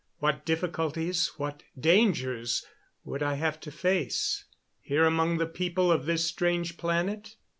What difficulties, what dangers, would I have to face, here among the people of this strange planet?